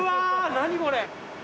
何これ！